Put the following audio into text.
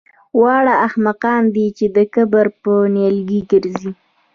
واړه احمقان دي چې د کبر په نیلي ګرځي